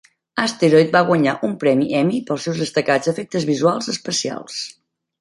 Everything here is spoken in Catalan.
"Asteroid" va guanyar un premi Emmy pels seus destacats efectes visuals especials.